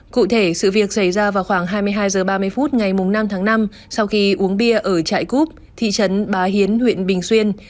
cụ thể sự việc xảy ra vào khoảng hai mươi hai h ba mươi phút ngày năm tháng năm sau khi uống bia ở trại cúp thị trấn bá hiến huyện bình xuyên